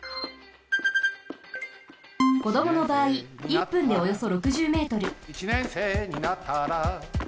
こどものばあい１分でおよそ６０ｍ。